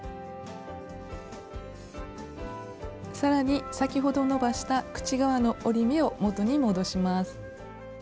さらに先ほど伸ばした口側の折り目を元に戻します。